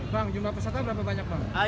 bang jumlah peserta berapa banyak bang